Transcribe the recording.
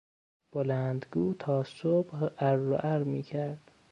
بلندگو تا صبح عر و عر میکرد.